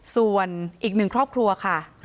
ส่วนอีกหนึ่งครอบครัวค่ะ